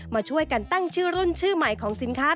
มาช่วยกันตั้งชื่อรุ่นชื่อใหม่ของสินค้า